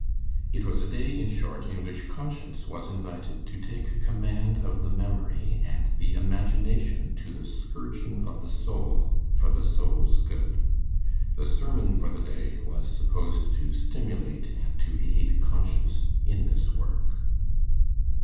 It was a day, in short, in which conscience was invited to take command of the memory and the imagination to the scourging of the soul for the soul's good. The sermon for the day was supposed to stimulate and to aid conscience in this work.